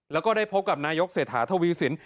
แล้วก็ได้พบกับนายกเศรษฐาทวีสิน